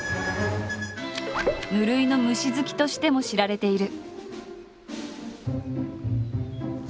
無類の虫好きとしても知られている。